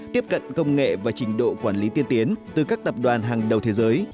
tiếp cận công nghệ và trình độ quản lý tiên tiến từ các tập đoàn hàng đầu thế giới